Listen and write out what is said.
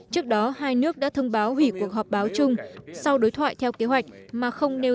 trước đó hai nước đã thông báo hủy cuộc họp báo chung sau đối thoại theo kế hoạch mà không nêu